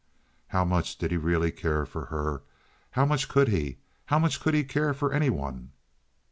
How much did he really care for her? How much could he? How much could he care for any one?